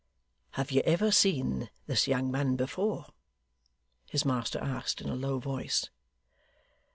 'Have you ever seen this young man before?' his master asked in a low voice.